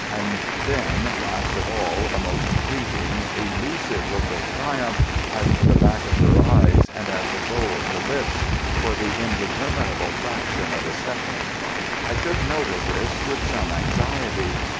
And then, last of all, a most fleeting, elusive look of triumph at the back of her eyes and at the bow of her lips, for the indeterminable fraction of a second. I took note of this with some anxiety.